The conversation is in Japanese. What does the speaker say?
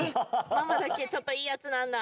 ママだけちょっといいやつなんだ。